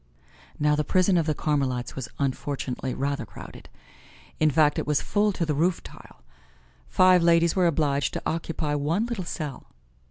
Now the prison of the Carmelites was unfortunately rather crowded. In fact, it was full to the roof tile. Five ladies were obliged to occupy one little cell.